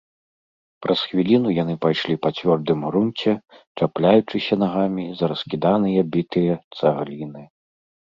Праз хвіліну яны пайшлі па цвёрдым грунце, чапляючыся нагамі за раскіданыя бітыя цагліны.